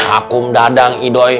akum dadang idoy